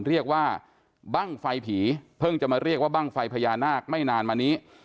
เรียกว่าบ้างไฟผีเพิ่งจะมาเรียกว่าบ้างไฟพญานาคไม่นานมานี้